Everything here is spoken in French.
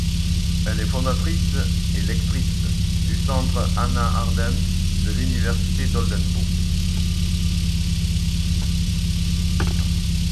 Elle est fondatrice et lectrice du Centre Hannah Arendt de l'université d'Oldenburg.